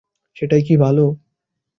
সেটাই কি ভালো?